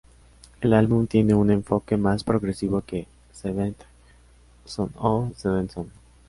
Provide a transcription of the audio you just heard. El álbum tiene un enfoque más progresivo que "Seventh Son of a Seventh Son".